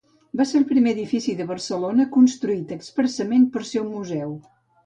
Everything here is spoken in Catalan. Va ser el primer edifici de Barcelona construït expressament per ser un museu.